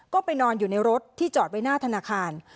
ก็ไปนอนอยู่ในรถที่จอดไว้หน้าธนาคาร